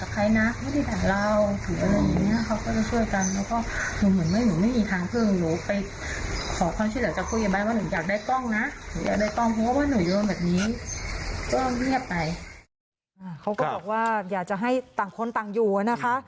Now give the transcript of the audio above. เขาก็บอกว่าอยากจะให้ต่างคนต่างอยู่นะคะ